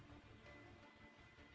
siapa siapa yang harus mati